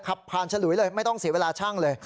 ขับผ่านฉลุยเลยไม่ต้องเสียเวลาช่างเลย